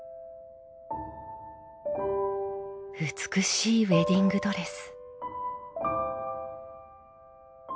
「美しいウエディングドレス」。